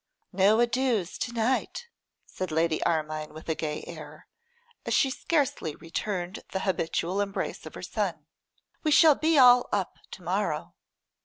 'No adieus to night!' said Lady Armine with a gay air, as she scarcely returned the habitual embrace of her son. 'We shall be all up to morrow.